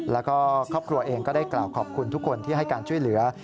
แล้วก็ครอบครัวเองก็ได้กล่าวขอบคุณทุกคนที่ให้การช่วยเหลือ